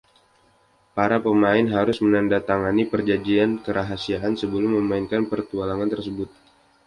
Para pemain harus menandatangani perjanjian kerahasiaan sebelum memainkan petualangan tersebut.